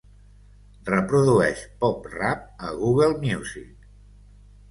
Reprodueix pop-rap a Google Music.